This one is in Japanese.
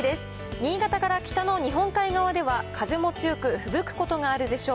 新潟から北の日本海側では、風も強くふぶくことがあるでしょう。